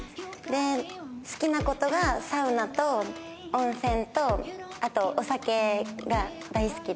で好きな事がサウナと温泉とあとお酒が大好きです。